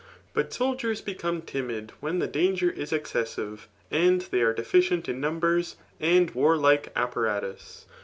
But soldiers become timid when the danger is excessive, and they are deficient in numbers and waxlikt apparatus.